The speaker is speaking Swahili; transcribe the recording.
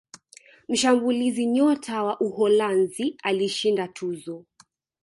mshambulizi nyota wa uholanzi alishinda tuzo